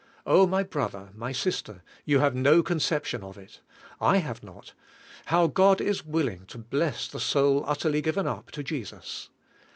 Oh, my brother, my sister, you have no conception of it, ■— I have not — how God is willing to bless the soul utterly given up to Jesus.